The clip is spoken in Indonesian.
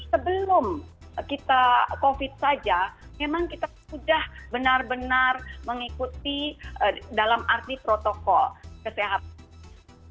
sebelum kita covid saja memang kita sudah benar benar mengikuti dalam arti protokol kesehatan